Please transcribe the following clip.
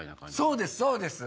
そうですそうです！